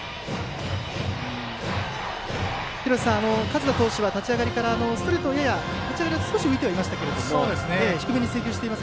廣瀬さん、勝田投手は立ち上がりからやや立ち上がりストレートが少し浮いていますが低めに制球しています。